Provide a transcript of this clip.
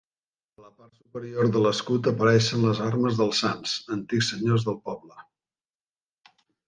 A la part superior de l'escut apareixen les armes dels Sanç, antics senyors del poble.